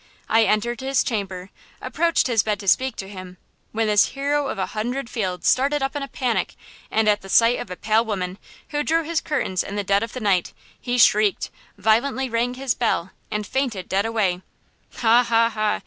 I entered his chamber, approached his bed to speak to him, when this hero of a hundred fields started up in a panic, and at the site of the pale woman who drew his curtains in the dead of the night, he shrieked, violently rang his bell, and fainted dead away." "Ha! ha! ha!